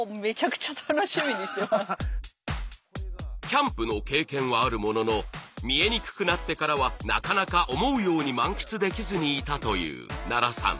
キャンプの経験はあるものの見えにくくなってからはなかなか思うように満喫できずにいたという奈良さん。